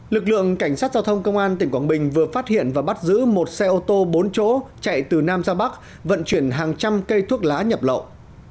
lực lượng cảnh sát giao thông công an tỉnh quảng bình vừa phát hiện và bắt giữ một xe ô tô bốn chỗ chạy từ nam ra bắc vận chuyển hàng trăm cây thuốc lá nhập lậu